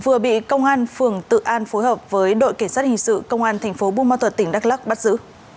vừa bị công an phường tự an phối hợp với đội kiểm soát hình sự công an thành phố bumatut tỉnh đắk lắc bắt giữ